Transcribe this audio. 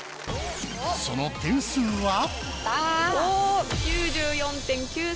その点数は。